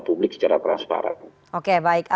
publik secara transparan oke baik